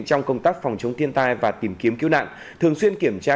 trong công tác phòng chống thiên tai và tìm kiếm cứu nạn thường xuyên kiểm tra